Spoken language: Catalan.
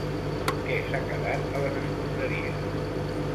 Que s'ha quedat a les escombraries?